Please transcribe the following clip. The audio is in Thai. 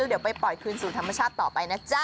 เดี๋ยวไปปล่อยคืนสู่ธรรมชาติต่อไปนะจ๊ะ